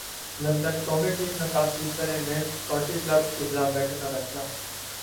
London قومی team کا toss جیت کر انگلش کانٹی کلب کیخلاف بیٹنگ کا فیصلہ